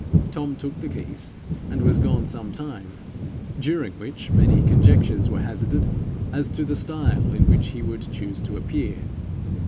Tom took the keys and was some time gone, during which many conjectures were hazarded as to the style in which he would choose to appear.